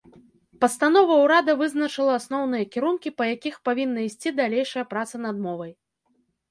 Пастанова ўрада вызначыла асноўныя кірункі, па якіх павінна ісці далейшая праца над мовай.